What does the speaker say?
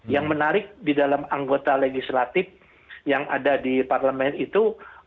yang menarik di dalam anggota legislatif yang ada di parlemen itu